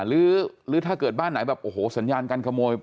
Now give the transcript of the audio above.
หรือถ้าเกิดบ้านไหนแบบโอ้โหสัญญาการขโมย